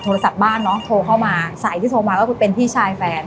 โทรศัพท์บ้านเนอะโทรเข้ามาสายที่โทรมาก็เป็นพี่ชายแฟน